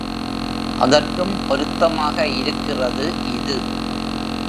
அதற்கும் பொருத்தமாக இருக்கிறது இது.